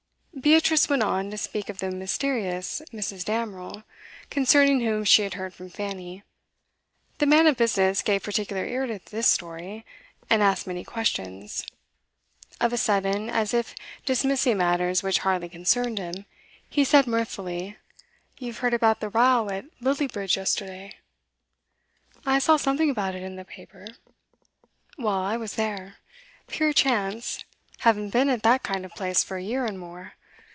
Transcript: Beatrice went on to speak of the mysterious Mrs. Damerel, concerning whom she had heard from Fanny. The man of business gave particular ear to this story, and asked many questions. Of a sudden, as if dismissing matters which hardly concerned him, he said mirthfully: 'You've heard about the row at Lillie Bridge yesterday?' 'I saw something about it in the paper.' 'Well, I was there. Pure chance; haven't been at that kind of place for a year and more.